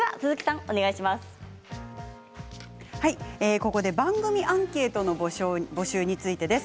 ここで番組アンケートの募集についてです。